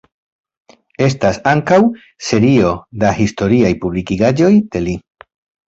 Estas ankaŭ serio da historiaj publikigaĵoj de li.